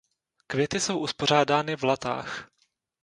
Květy jsou uspořádány v latách.